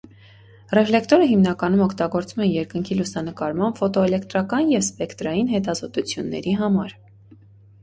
Ռեֆլեկտորը հիմնականում օգտագործում են երկնքի լուսանկարման, ֆոտոէլեկտրական և սպեկտրային հետազոտությունների համար։